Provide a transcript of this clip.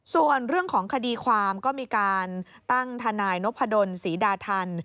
ส่วนเรื่องของคดีความก็มีการตั้งทนายนพดลศรีดาทัน